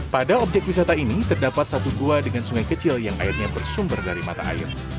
pada objek wisata ini terdapat satu gua dengan sungai kecil yang airnya bersumber dari mata air